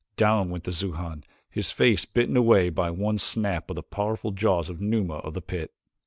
Down went the Xujan, his face bitten away by one snap of the powerful jaws of Numa of the pit.